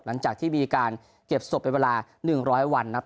หลังจากที่มีการเก็บศพเป็นเวลา๑๐๐วันนะครับ